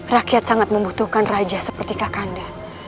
rakyat sangat membutuhkan raja seperti kak kanda